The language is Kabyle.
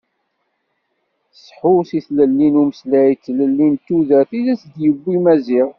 Tesḥus i tlelli n umeslay d tlelli n tudert i as-d-yewwi Maziɣ.